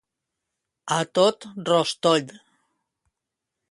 A tot rostoll.